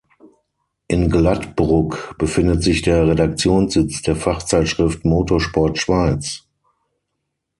In Glattbrugg befindet sich der Redaktionssitz der Fachzeitschrift "Moto Sport Schweiz".